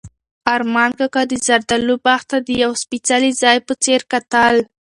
ارمان کاکا د زردالو باغ ته د یو سپېڅلي ځای په څېر کتل.